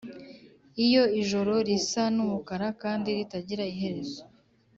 iyo ijoro risa n'umukara kandi ritagira iherezo,